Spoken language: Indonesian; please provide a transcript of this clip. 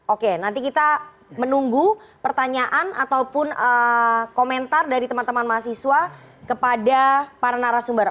oke nanti kita menunggu pertanyaan ataupun komentar dari teman teman mahasiswa kepada para narasumber